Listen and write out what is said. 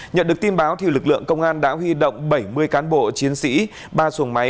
nhận được tin báo lực lượng công an đã huy động bảy mươi cán bộ chiến sĩ ba xuồng máy